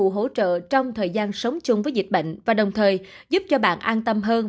hỗ trợ trong thời gian sống chung với dịch bệnh và đồng thời giúp cho bạn an tâm hơn